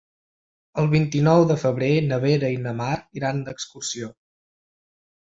El vint-i-nou de febrer na Vera i na Mar iran d'excursió.